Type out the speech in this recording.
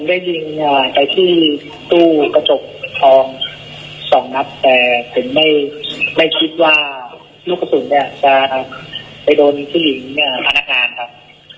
ได้ยิงไปที่ตู้กระจกทองสองนัดแต่ถึงไม่คิดว่าลูกกระสุนเนี่ยจะไปโดนผู้หญิงพนักงานครับ